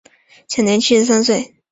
享年七十三岁。